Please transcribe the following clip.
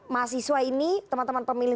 mahasiswa ini teman teman pemilih